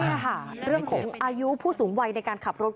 นี่ค่ะเรื่องของอายุผู้สูงวัยในการขับรถ